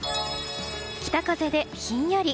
北風でひんやり。